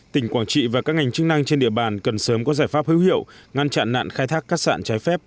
tỉnh quảng trị và các ngành chức năng trên địa bàn cần sớm có giải pháp hữu hiệu ngăn chặn nạn khai thác cát sạn trái phép